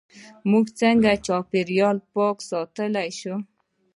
موږ څنګه چاپیریال ساتلی شو؟